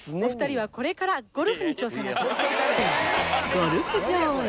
ゴルフ場へ。